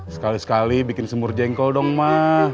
sekali sekali bikin semur jengkol dong mah